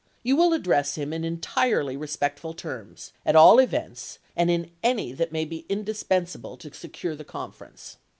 You will address him in entirely respectful terms, at all events, and in any that may be indispensable to secure the conference.